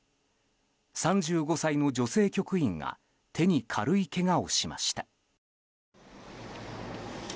３５歳の女性局員が手に軽いけがをしました。